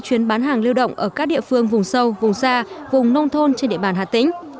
chuyến bán hàng lưu động ở các địa phương vùng sâu vùng xa vùng nông thôn trên địa bàn hà tĩnh